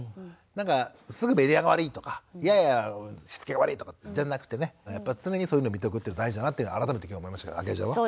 なんかすぐメディアが悪いとかいやいやしつけが悪いとかじゃなくてねやっぱ常にそういうの見とくっていうの大事だなって改めて今日思いましたけどあきえちゃんは？